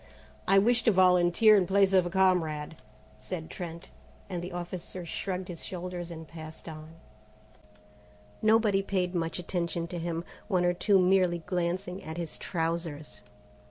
"I wish to volunteer in place of a comrade," said Trent, and the officer shrugged his shoulders and passed on. Nobody paid much attention to him, one or two merely glancing at his trousers.